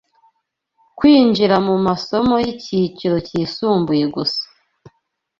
kwinjira mu masomo y’icyiciro cyisumbuye gusa